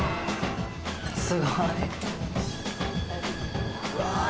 すごい。